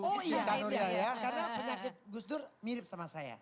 oh iya karena penyakit gus dur mirip sama saya